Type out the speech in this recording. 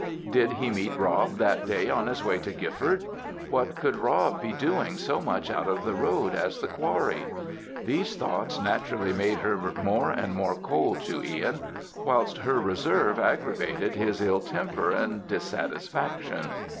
Did he meet Rob that day on his way to Gifford? What could Rob be doing so much out of the road as the Quarry? These thoughts naturally made her more and more cold to Ihan, whilst her reserve aggrivated his ill temper and dissatisfaction.